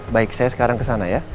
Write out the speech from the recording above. baik saya sekarang kesana ya